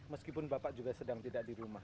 meskipun bapak juga sedang tidak di rumah